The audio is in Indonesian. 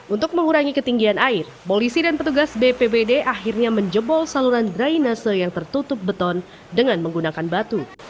untuk mengurangi ketinggian air polisi dan petugas bpbd akhirnya menjebol saluran drainase yang tertutup beton dengan menggunakan batu